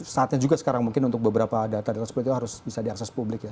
saatnya juga sekarang mungkin untuk beberapa data data seperti itu harus bisa diakses publik ya